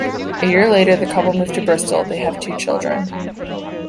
A year later, the couple moved to Bristol; they have two children.